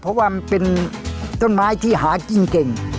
เพราะว่ามันเป็นต้นไม้ที่หากินเก่ง